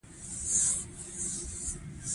ځینو عسکرو بد کتل او ځینو ریشخند وهلو